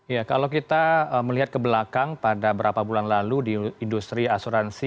ya kalau kita melihat ke belakang pada beberapa bulan lalu di industri asuransi